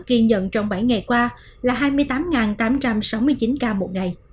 tại việt nam ghi nhận trong bảy ngày qua là hai mươi tám tám trăm sáu mươi chín ca một ngày